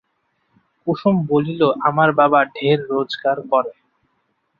কুসুম বলিল, আমার বাবা ঢের রোগজার করে।